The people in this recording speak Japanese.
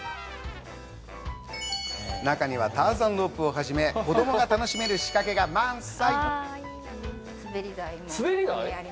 中にはターザンロープをはじめ、子供が楽しめる仕掛けが満載。